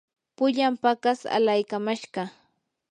pullan paqas alaykamashqaa.